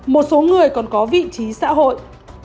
một số người còn có vị trí xã hội